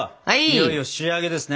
いよいよ仕上げですね。